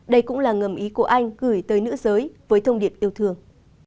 đây cũng là ngầm ý của anh gửi tới nữ giới với thông điệp yêu thương